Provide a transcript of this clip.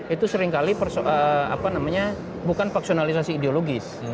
itu seringkali bukan paksionalisasi ideologis